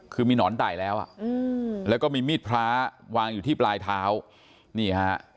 คือมีหนอนไต่แล้วอ่ะอืมแล้วก็มีมีดพระวางอยู่ที่ปลายเท้านี่ฮะ